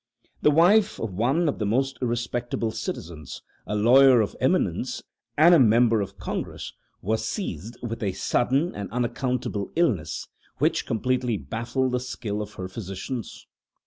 The wife of one of the most respectable citizens a lawyer of eminence and a member of Congress was seized with a sudden and unaccountable illness, which completely baffled the skill of her physicians.